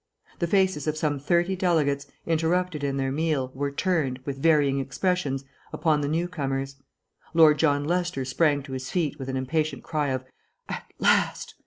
The faces of some thirty delegates, interrupted in their meal, were turned, with varying expressions, upon the new comers. Lord John Lester sprang to his feet, with an impatient cry of "At last!"